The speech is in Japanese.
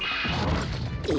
え？